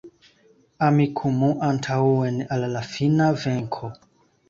Amikumu antaŭen al la fina venko